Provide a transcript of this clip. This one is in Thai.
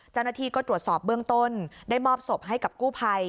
เจ้าหน้าที่ก็ตรวจสอบเบื้องต้นได้มอบศพให้กับกู้ภัย